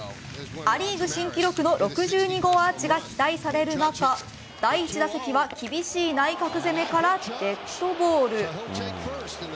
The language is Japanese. ア・リーグ新記録の６２号アーチが期待される中第１打席は厳しい内角攻めからデッドボール。